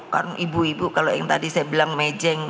karena ibu ibu kalau yang tadi saya bilang mejeng